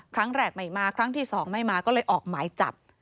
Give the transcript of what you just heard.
ครั้งแรกไม่มาครั้งที่สองไม่มาก็เลยออกหมายจับ